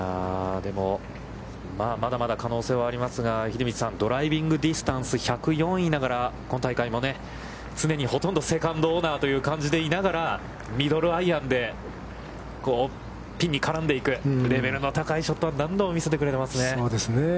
でも、まだまだ可能性はありますが、秀道さん、ドライビングディスタンス１０４位ながら、今大会も常にほとんどセカンドオーナーという感じでいながらミドルアイアンでピンに絡んでいく、レベルの高いショットは何度も見せてくれてますね。